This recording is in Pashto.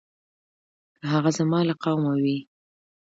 که هغه زما له قومه وي.